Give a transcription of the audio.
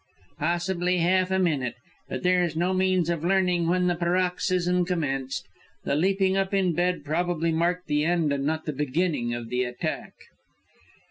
"Possibly half a minute. But there is no means of learning when the paroxysm commenced. The leaping up in bed probably marked the end and not the beginning of the attack."